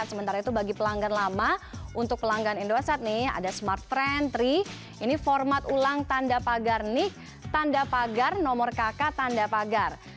sementara itu bagi pelanggan lama untuk pelanggan indosat nih ada smartfriend tiga ini format ulang tanda pagar nic tanda pagar nomor kakak tanda pagar